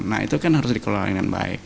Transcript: nah itu kan harus dikelola dengan baik